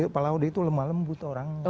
pak laude itu lemah lembut orang